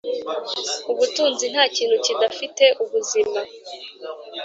ubutunzi ntakintu kidafite ubuzima.